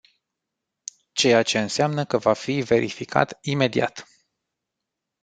Ceea ce înseamnă că va fi verificat imediat.